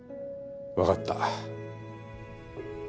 わかった。